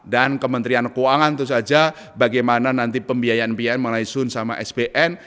dan kementerian keuangan tentu saja bagaimana nanti pembiayaan biayaan mengenai zun sama sbn